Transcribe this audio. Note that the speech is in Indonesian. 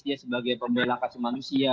dia sebagai pembelakang manusia